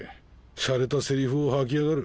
しゃれたセリフを吐きやがる。